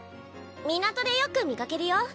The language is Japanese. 港でよく見かけるよ。